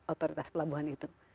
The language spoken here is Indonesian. otoritas pelabuhan itu